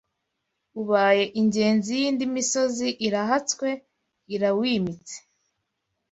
Ubaye ingenzi y’indi misozi Irahatswe irawimitse